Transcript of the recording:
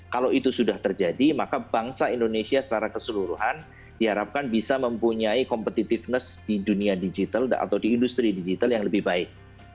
kalau itu sudah terjadi maka bangsa indonesia secara keseluruhan diharapkan bisa mempunyai competitiveness di dunia digital atau di industri digital yang lebih baik